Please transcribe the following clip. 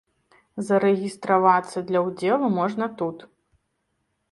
Зарэгістравацца для ўдзелу можна тут.